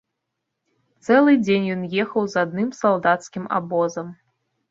Цэлы дзень ён ехаў з адным салдацкім абозам.